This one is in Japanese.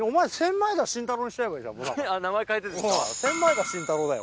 枚田慎太郎だよ